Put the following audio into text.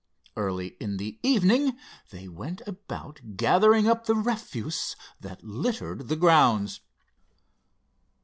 Early in the evening they went about gathering up the refuse that littered the grounds.